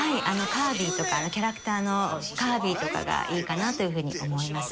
カービィとかキャラクターのカービィとかがいいかなというふうに思います。